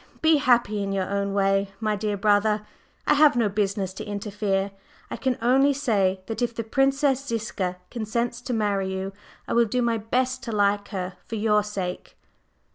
Be happy in your own way, my dear brother. I have no business to interfere. I can only say that if the Princess Ziska consents to marry you, I will do my best to like her, for your sake."